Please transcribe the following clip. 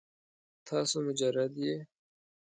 تاسو مجرد یې؟